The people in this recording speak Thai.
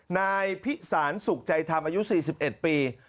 นายพิสารสุขใจธรรมอายุ๔๑ปี